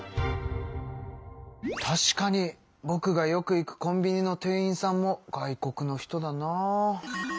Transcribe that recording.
確かにぼくがよく行くコンビニの店員さんも外国の人だな。